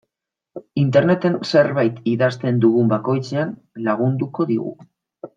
Interneten zerbait idazten dugun bakoitzean lagunduko digu.